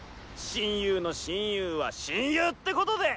親友の親友は親友ってことで！